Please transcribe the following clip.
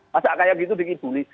masa kayak gitu dikibuli